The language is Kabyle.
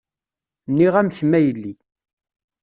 Nniɣ-am kemm a yelli.